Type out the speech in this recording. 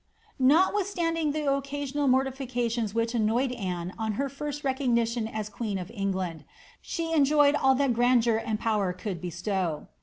Notwithstanding the occasional mortifications which annoyed Anne on her first recognition as queen of England, she enjoyed all that grandeur and power could bestow.